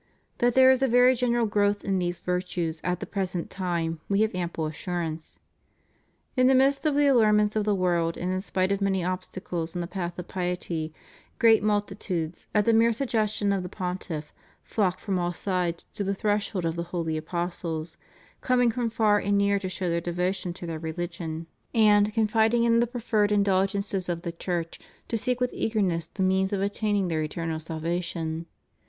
That there is a very general growth in these virtues at the present time we have ample assurance. In the midst of the allurements of the world, and in spite of many obstacles in the path of piety, great multitudes, at the mere suggestion of the Pontiff, flock from all sides to the threshold of the holy apostles; coming from far and near to show their devotion to their religion, and, confiding in the proffered indulgences of the Church, to seek with eagerness the means of attaining their eternal salvation.